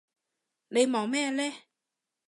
你望咩呢？